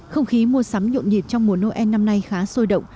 không khí mua sắm nhộn nhịp trong mùa noel năm nay khá sôi động